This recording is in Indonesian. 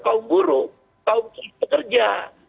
kaum buruh kaum pekerja